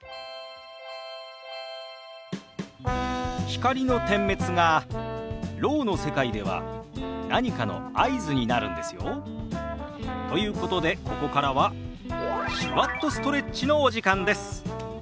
光の点滅がろうの世界では何かの合図になるんですよ。ということでここからは「手話っとストレッチ」のお時間です。